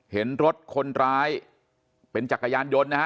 เห็นรถคนร้ายเป็นจักรยานยนต์นะฮะ